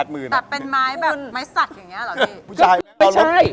ไม่ใช่